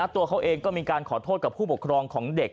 ตัวเขาเองก็มีการขอโทษกับผู้ปกครองของเด็ก